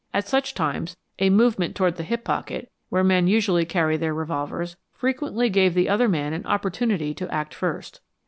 At such times a movement toward the hip pocket, where men usually carry their revolvers, frequently gave the other man an opportunity to act first.